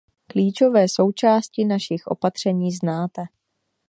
Klíčové součásti našich opatření znáte.